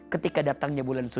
ketika datangnya bulan ramadan